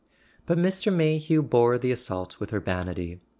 But Mr. Mayhew bore the assault with urbanity.